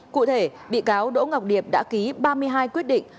cụ thể bị cáo đỗ ngọc điệp đã ký ba mươi hai quyết định